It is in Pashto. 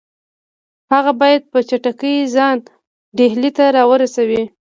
هغه باید په چټکۍ ځان ډهلي ته را ورسوي.